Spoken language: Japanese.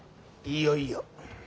いよいよ。